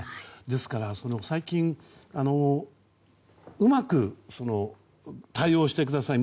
ですからうまく対応してください。